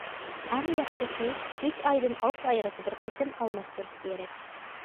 ئەڭ ياخشىسى ئۈچ ئايدىن ئالتە ئايغىچە بىر قېتىم ئالماشتۇرۇش كېرەك.